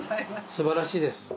素晴らしいです。